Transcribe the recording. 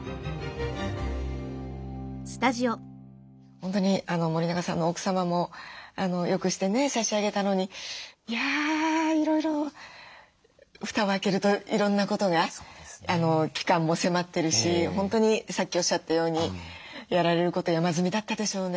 本当に森永さんの奥様もよくしてね差し上げたのにいやいろいろ蓋を開けるといろんなことが期間も迫ってるし本当にさっきおっしゃったようにやられること山積みだったでしょうね。